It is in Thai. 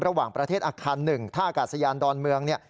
ระหว่างประเทศอาคาร๑ท่าอากาศยานดอนเมืองเนี่ย